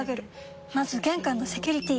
まず玄関のセキュリティ！